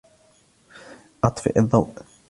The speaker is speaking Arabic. أطفئ الضوء.